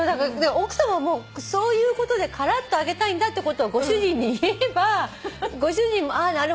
奥さまもそういうことでカラッと揚げたいんだってことをご主人に言えばご主人も「あなるほどな」